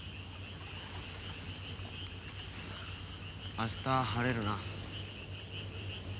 明日晴れるな。